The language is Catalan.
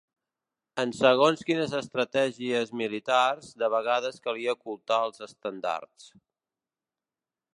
En segons quines estratègies militars, de vegades calia ocultar els estendards.